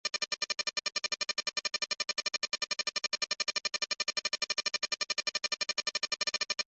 Los que habían participado en el levantamiento fueron además declarados traidores por Don Carlos.